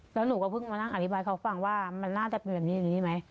แล้วหนูก็เพิ่งมานั่งอธิบายเขาฟังว่ามันน่าจะเป็นแบบนี้อย่างนี้ไหม